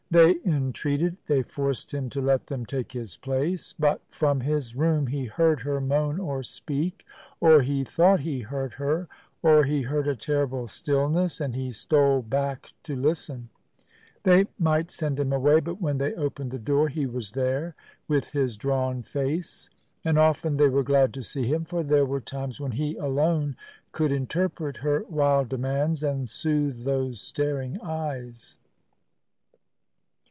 They entreated, they forced him to let them take his place; but from his room he heard her moan or speak, or he thought he heard her, or he heard a terrible stillness, and he stole back to listen; they might send him away, but when they opened the door he was there, with his drawn face. And often they were glad to see him, for there were times when he alone could interpret her wild demands and soothe those staring eyes.